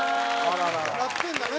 やってるんだね